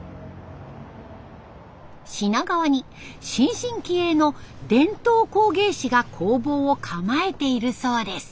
品川に新進気鋭の伝統工芸士が工房を構えているそうです。